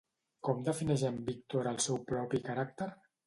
Com defineix en Víctor el seu propi caràcter?